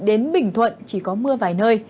đến bình thuận chỉ có mưa vài nơi